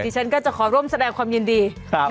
ฉันก็จะขอร่วมแสดงความยินดี